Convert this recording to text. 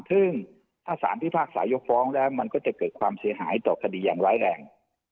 ซึ่งถ้าสารพิพากษายกฟ้องแล้วมันก็จะเกิดความเสียหายต่อคดีอย่างร้ายแรง